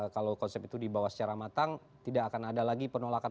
kalau konsep itu dibawa secara matang tidak akan ada lagi penolakan